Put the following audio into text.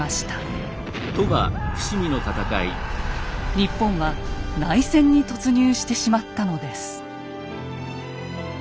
日本は内戦に突入してしまったのです。